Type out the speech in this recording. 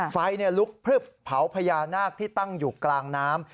ไฟลุกพลึบเผาพญานาคที่ตั้งอยู่กลางน้ำ